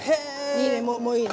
いいねもういいね。